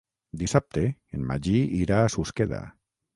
Dissabte en Magí irà a Susqueda.